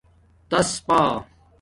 تاس پݳ